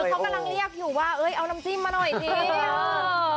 เขากำลังเรียกอยู่ว่าเอ้ยเอาน้ำจิ้มมาหน่อยสิ